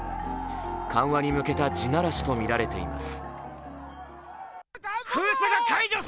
緩和に向けた地ならしとみられています。